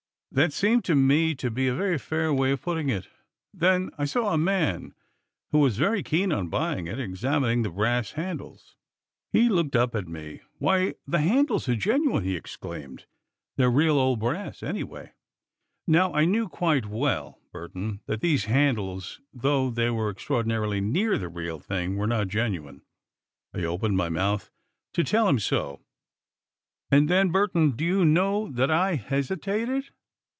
That seemed to me to be a very fair way of putting it. Then I saw a man, who was very keen on buying it, examining the brass handles. He looked up at me. 'Why, the handles are genuine!' he exclaimed. 'They're real old brass, anyway!' Now I knew quite well, Burton, that those handles, though they were extraordinarily near the real thing, were not genuine. I opened my mouth to tell him so, and then, Burton, do you know that I hesitated?"